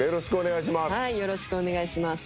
よろしくお願いします。